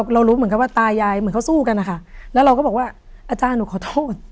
เรารู้เหมือนกับว่าตายายเหมือนเขาสู้กันนะคะแล้วเราก็บอกว่าอาจารย์หนูขอโทษ